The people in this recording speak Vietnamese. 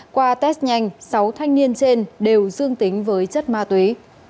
qua test nhanh sáu thanh niên trên đều dương tính với chất ma túy